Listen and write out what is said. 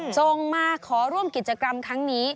ส่งมาขอร่วมกิจกรรมครั้งนี้